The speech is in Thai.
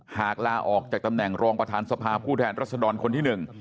หากลาออกจากตำแหน่งรองประธานสภาผู้แทนรัศดรคนที่๑